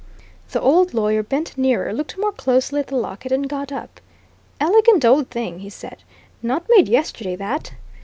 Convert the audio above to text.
The old lawyer bent nearer, looked more closely at the locket, and got up. "Elegant old thing!" he said. "Not made yesterday, that!